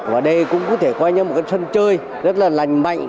và đây cũng có thể coi như một cái sân chơi rất là lành mạnh